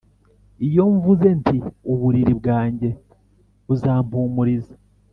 iyo mvuze nti ‘uburiri bwanjye buzampumuriza,